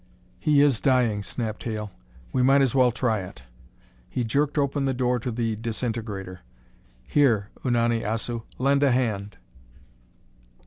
"He is dying," snapped Hale. "We might as well try it." He jerked open the door to the disintegrator. "Here, Unani Assu! Lend a hand!"